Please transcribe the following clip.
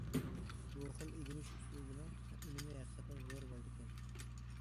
بۇ خىل ئۆگىنىش ئۇسۇلىنىڭ ئۈنۈمى ھەقىقەتەن زور بولىدىكەن.